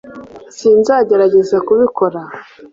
s sinzagerageza kubikora